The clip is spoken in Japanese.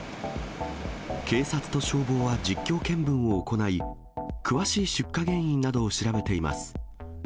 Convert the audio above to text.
警察と消防は実況見分を行い、詳しい出火原因などを調べています。